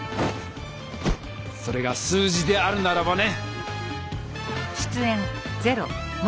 それが数字であるならばね！